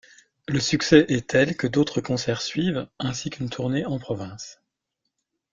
Le succès est tel que d'autres concerts suivent, ainsi qu'une tournée en province.